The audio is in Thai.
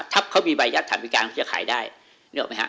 ถ้าเขามีใบยัดฐานพิการที่จะขายได้นึกออกไหมฮะ